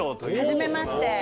はじめまして。